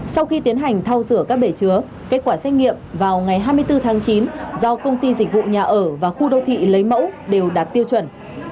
sau khi tiến hành thao rửa các bể chứa kết quả xét nghiệm vào ngày hai mươi bốn tháng chín do công ty dịch vụ nhà ở và khu đô thị lấy mẫu đều đạt tiêu chuẩn